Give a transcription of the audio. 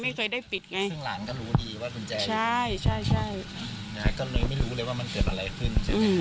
ไม่เคยได้ปิดไงซึ่งหลานก็รู้ดีว่ากุญแจใช่ใช่นะฮะก็เลยไม่รู้เลยว่ามันเกิดอะไรขึ้นใช่ไหม